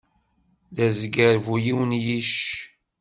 D azger bu yiwen yicc.